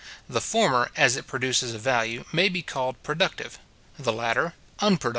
The former as it produces a value, may be called productive, the latter, unproductive labour.